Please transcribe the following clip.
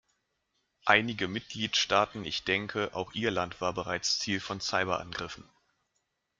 Einige Mitgliedstaaten ich denke, auch Ihr Land war bereits Ziel von Cyber-Angriffen.